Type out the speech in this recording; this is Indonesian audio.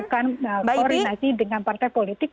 melakukan koordinasi dengan partai politik